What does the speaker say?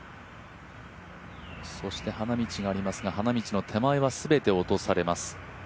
花道がありますが、花道の手前は全て落とされます。